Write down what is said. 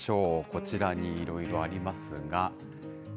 こちらにいろいろありますが。